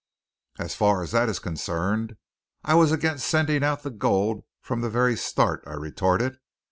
"As far at that is concerned, I was against sending out the gold from the very start," I retorted.